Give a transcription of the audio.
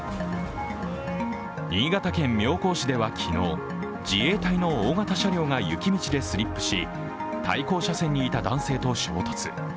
新潟県妙高市では昨日、自衛隊の大型車両が雪道でスリップし、対向車線にいた男性と衝突。